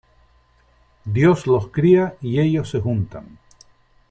Dios los cría y ellos se juntan.